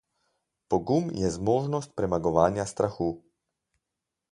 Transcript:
Pogum je zmožnost premagovanja strahu.